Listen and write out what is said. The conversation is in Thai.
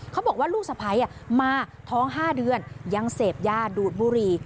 เขาบอกว่าลูกสะพ้ายมาท้อง๕เดือนยังเสพยาดูดบุหรี่